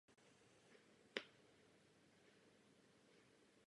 Ukazatele Paktu o stabilitě růstu zjevně nejsou přesné a nefungují.